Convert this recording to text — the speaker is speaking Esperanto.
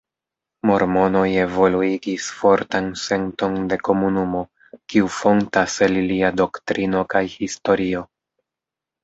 Mormonoj evoluigis fortan senton de komunumo kiu fontas el ilia doktrino kaj historio.